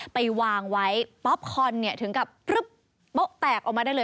ไปวางไว้ป๊อปคอนเนี่ยถึงกับโป๊ะแตกออกมาได้เลย